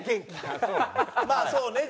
まあそうね。